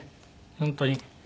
本当に。